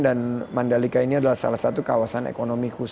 dan mandalika ini adalah salah satu kawasan ekonomi kunjungan